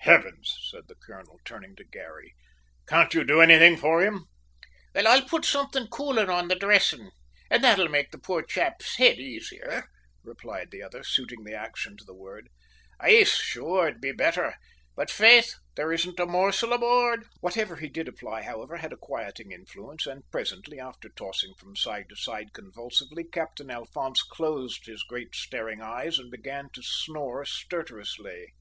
"Heavens!" said the colonel, turning to Garry. "Can't you do anything for him?" "I'll put somethin' coolin' on the dressin', an' that'll make the poor chap's h'id aisier," replied the other, suiting the action to the word. "Ice, sure, 'ud be betther; but, faith, there isn't a morsel aboard!" Whatever he did apply, however, had a quieting influence, and presently, after tossing from side to side convulsively, Captain Alphonse closed his great staring eyes and began to snore stertorously.